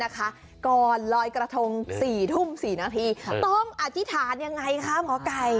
ก่อนลอยกระทง๔ทุ่ม๔นาทีต้องอธิษฐานยังไงคะหมอไก่